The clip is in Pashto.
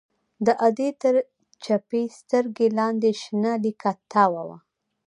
د ادې تر چپې سترگې لاندې شنه ليکه تاوه وه.